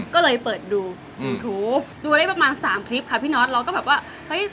ก็เลยเปิดดูดูได้ประมาณ๓คลิปค่ะพี่น้อสเราก็แบบว่า